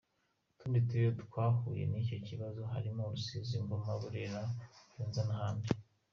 Utundi turere twahuye n’icyo kibazo harimo, Rusizi, Ngoma, Burera, Kayonza n’ahandi.